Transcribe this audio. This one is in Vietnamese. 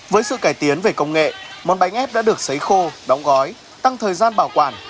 với sự cải tiến về công nghệ món bánh ép đã được xấy khô đóng gói tăng thời gian bảo quản